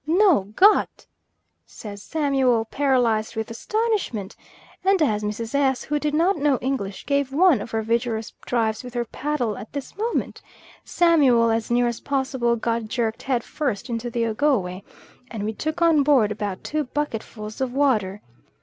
"No got," says Samuel, paralysed with astonishment; and as Mrs. S., who did not know English, gave one of her vigorous drives with her paddle at this moment, Samuel as near as possible got jerked head first into the Ogowe, and we took on board about two bucketfuls of water.